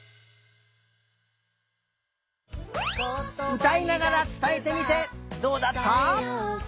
うたいながらつたえてみてどうだった？